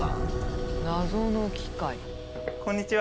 こんにちは。